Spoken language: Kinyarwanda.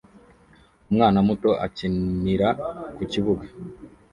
Umwana muto akinira ku kibuga